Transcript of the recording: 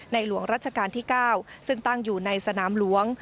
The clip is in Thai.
หลวงรัชกาลที่๙ซึ่งตั้งอยู่ในสนามหลวง